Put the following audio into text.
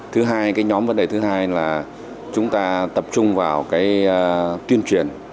thứ hai cái nhóm vấn đề thứ hai là chúng ta tập trung vào cái tuyên truyền